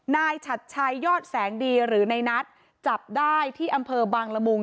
ฉัดชัยยอดแสงดีหรือในนัทจับได้ที่อำเภอบางละมุง